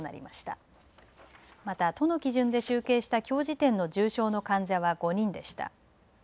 また都の基準で集計したきょう時点の重症の患者は５人でした。